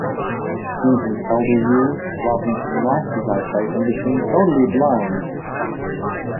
In his elder years, Robinson lost his eyesight and became totally blind.